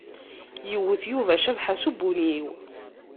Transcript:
Yewwet Yuba Cabḥa s ubunyiw.